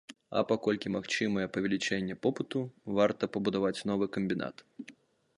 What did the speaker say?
А паколькі магчымае павелічэнне попыту, варта пабудаваць новы камбінат.